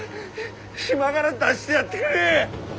島がら出してやってくれぇ！